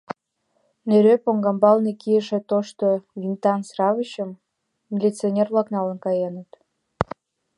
Нӧреп оҥамбалне кийыше тошто винтан сравочым милиционер-влак налын каеныт.